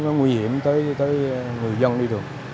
nó nguy hiểm tới người dân đi thường